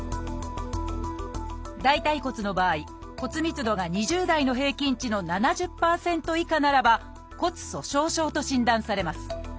大腿骨の場合骨密度が２０代の平均値の７０％以下ならば「骨粗しょう症」と診断されます。